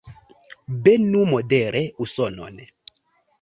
Benu modere Usonon!